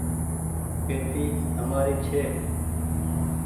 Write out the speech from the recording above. پيتي همآري ڇي۔